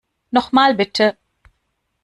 Noch mal, bitte.